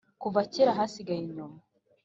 kuva kera hasigaye inyuma.